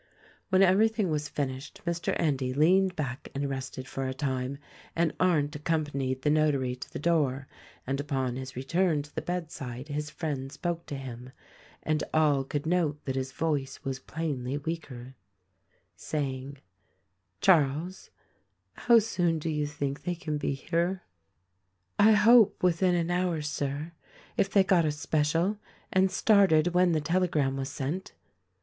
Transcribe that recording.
When everything was finished Mr. Endy leaned back and rested for a time and Arndt accompanied the Notary to THE RECORDING ANGEL 235 the door, and upon his return to the bedside his friend spoke to him — and all could note that his voice was plainly weaker — saying, "Charles, how soon do you think they can be here?" "I hope, within an hour, Sir, if they got a special and started when the telegram was sent."